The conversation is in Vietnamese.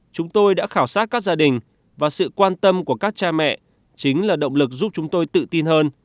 chúng tôi đã khảo sát các gia đình và sự quan tâm của các cha mẹ chính là động lực giúp chúng tôi tự tin hơn